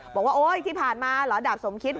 บอกว่าโอ๊ยที่ผ่านมาเหรอดาบสมคิด